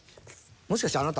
もしかしてあなた。